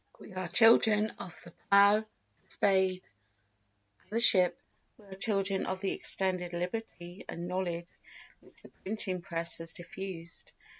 We are children of the plough, the spade, and the ship; we are children of the extended liberty and knowledge which the printing press has diffused.